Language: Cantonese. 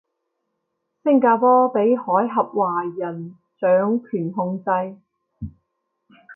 星加坡被海峽華人掌權控制